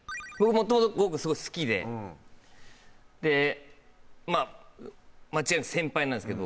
もともと剛くんすごい好きででまあ間違いなく先輩なんですけど